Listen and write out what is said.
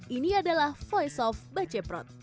ini adalah voice soft baceprot